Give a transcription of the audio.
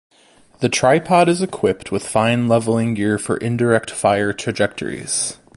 The tripod is equipped with fine levelling gear for indirect fire trajectories.